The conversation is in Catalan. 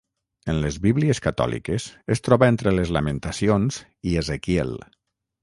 En les bíblies catòliques es troba entre les Lamentacions i Ezequiel.